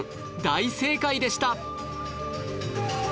大正解でした！